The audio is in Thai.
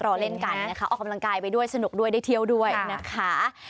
รอเล่นกันนะคะออกกำลังกายไปด้วยสนุกด้วยได้เที่ยวด้วยนะคะ